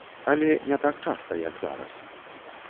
Але не так часта, як зараз.